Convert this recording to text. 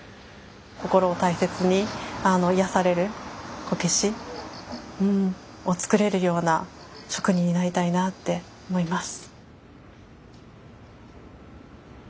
心を大切に癒やされるこけしを作れるような職人になりたいなあって思います。